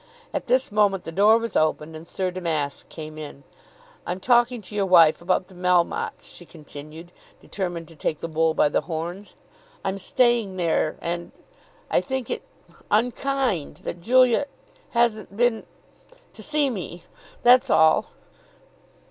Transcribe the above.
At this moment the door was opened, and Sir Damask came in. "I'm talking to your wife about the Melmottes," she continued, determined to take the bull by the horns. "I'm staying there, and I think it unkind that Julia hasn't been to see me. That's all."